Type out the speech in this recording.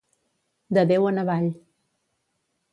De Déu en avall.